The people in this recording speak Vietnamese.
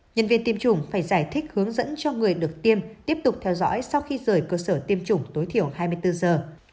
nhân viên tiêm chủng phải giải thích hướng dẫn cho người được tiêm tiếp tục theo dõi sau khi rời cơ sở tiêm chủng tối thiểu hai mươi bốn giờ